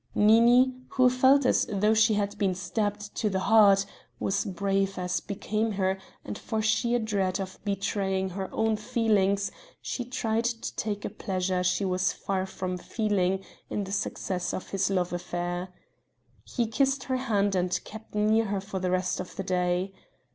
Nini, who felt as though she had been stabbed to the heart, was brave as became her and for sheer dread of betraying her own feelings, she tried to take a pleasure she was far from feeling in the success of his love affair. He kissed her hand and kept near her for the rest of the day.